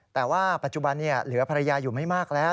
แต่ว่าปัจจุบันเหลือภรรยาอยู่ไม่มากแล้ว